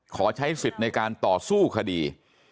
ขอใช้สิทธิ์ในการต่อสู้คดี